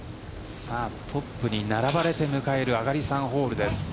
トップに並ばれて迎える上がり３ホールです。